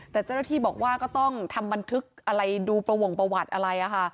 แต่เจ้าหน้าที่บอกว่าก็ต้องทำบันทึกอะไรดูประวงประวัติอะไร